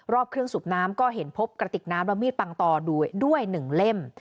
เครื่องสูบน้ำก็เห็นพบกระติกน้ำและมีดปังต่อด้วย๑เล่ม